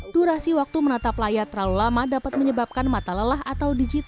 durasi waktu menata playa terlalu lama dapat menyebabkan mata lelah atau dijigit